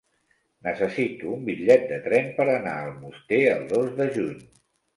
Necessito un bitllet de tren per anar a Almoster el dos de juny.